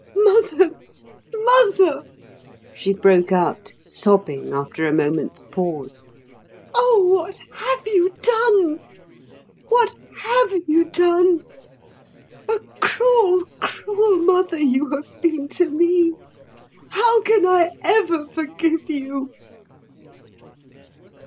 "Mother, mother!" she broke out, sobbing, after a moment's pause, "oh, what have you done? What have you done? A cruel, cruel mother you have been to me. How can I ever forgive you?"